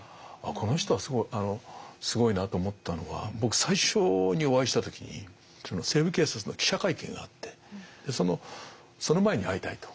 この人はすごいなと思ったのは僕最初にお会いした時に「西部警察」の記者会見があってその前に会いたいと。